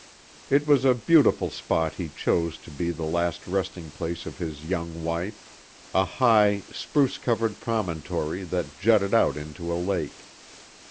It was a beautiful spot he chose to be the last resting place of his young wife a high, spruce covered promontory that jutted out into a lake.